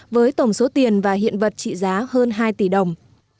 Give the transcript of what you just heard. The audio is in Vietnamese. với tổng số tiền và hiện vật trị giá hơn hai tỷ đồng